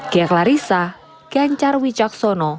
gia klarissa gencar wijaksono